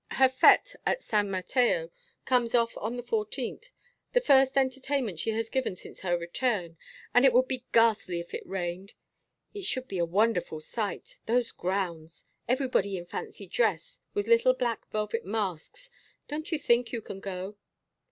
Her fête at San Mateo comes off on the fourteenth, the first entertainment she has given since her return, and it would be ghastly if it rained. It should be a wonderful sight those grounds everybody in fancy dress with little black velvet masks. Don't you think you can go?"